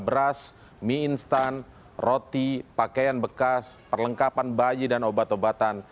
beras mie instan roti pakaian bekas perlengkapan bayi dan obat obatan